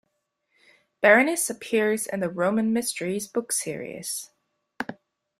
Berenice appears in the Roman Mysteries book series.